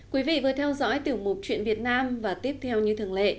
quý vị vừa theo dõi tiểu mục chuyện việt nam và tiếp theo như thường lệ